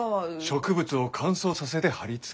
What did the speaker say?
植物を乾燥させて貼り付ける。